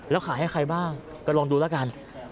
แล้วขายให้ใครบ้างก็ลองดูแล้วกัน